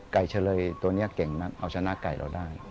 เฉลยตัวนี้เก่งมากเอาชนะไก่เราได้